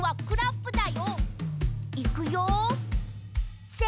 クラップ！